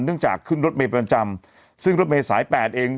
จากขึ้นรถเมย์ประจำซึ่งรถเมยสายแปดเอง